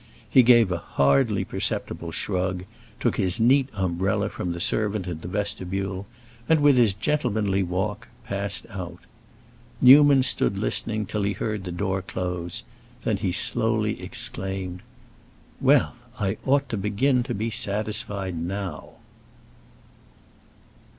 He gave a hardly perceptible shrug, took his neat umbrella from the servant in the vestibule, and, with his gentlemanly walk, passed out. Newman stood listening till he heard the door close; then he slowly exclaimed, "Well, I ought to begin to be satisfied now!"